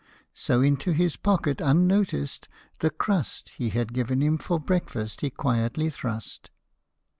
" So into his pocket, unnoticed, the crust He had given him for breakfast he quietly thrust, 81 HOP O MY THUMB.